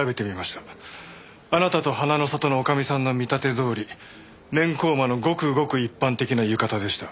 あなたと花の里の女将さんの見立てどおり綿コーマのごくごく一般的な浴衣でした。